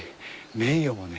名誉もね